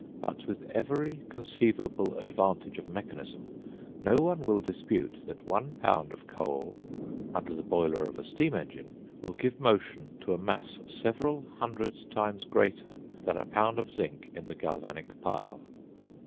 But with every conceivable advantage of mechanism, no one will dispute that one pound of coal, under the boiler of a steam engine, will give motion to a mass several hundred times greater than a pound of zinc in the galvanic pile.